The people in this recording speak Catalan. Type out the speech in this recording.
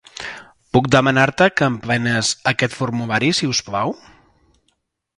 Puc demanar-te que emplenes aquest formulari, si us plau?